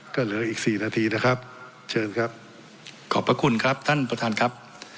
ก็เหลืออีกสี่นาทีนะครับเชิญครับขอบพระคุณครับท่านประธานครับ